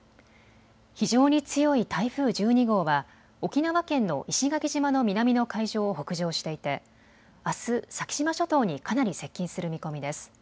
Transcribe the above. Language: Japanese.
非常に強い台風１２号は沖縄県の石垣島の南の海上を北上していてあす、先島諸島にかなり接近する見込みです。